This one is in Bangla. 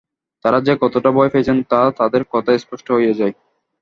তাঁরা যে কতটা ভয় পেয়েছেন, তা তাঁদের কথায় স্পষ্ট হয়ে যায়।